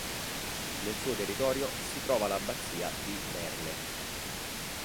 Nel suo territorio si trova l'abbazia di Berne.